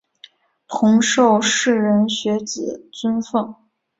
同受士人学子尊奉。